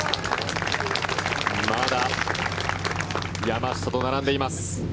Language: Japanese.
まだ山下と並んでいます。